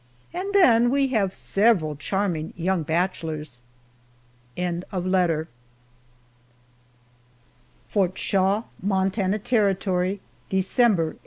And then we have several charming young bachelors! FORT SHAW, MONTANA TERRITORY, December, 1887.